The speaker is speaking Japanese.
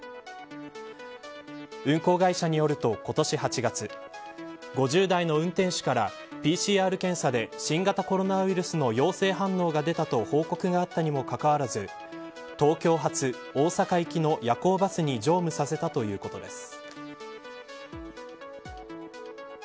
運行会社によると、今年８月５０代の運転手からＰＣＲ検査で新型コロナウイルスの陽性反応が出たと報告があったにもかかわらず東京発大阪行きの夜行バスに乗務させたということです。